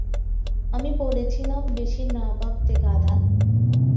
আমি বলেছিলাম বেশি না ভাবতে গাধা।